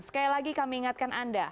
sekali lagi kami ingatkan anda